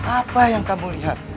apa yang kamu lihat